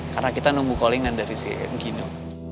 karena kita nunggu calling an dari si gino